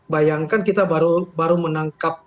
bayangkan kita baru menangkap